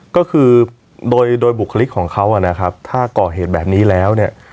ก็คือโดยโดยบุคลิกของเขานะครับถ้าก่อเหตุแบบนี้แล้วเนี่ย